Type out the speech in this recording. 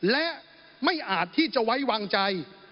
และไม่อาจที่จะไว้วางใจ